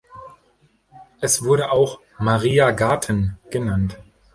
Es wurde auch "Maria Garten" genannt.